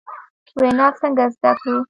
وینا څنګه زدکړو ؟